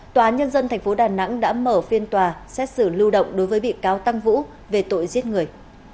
tòa nhân dân tp đà nẵng đã mở phiên tòa xét xử lưu động đối với bị cáo tăng vũ về tội giết người